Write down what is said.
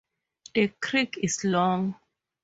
The creek is long.